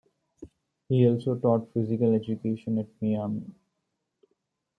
He also taught physical education at Miami.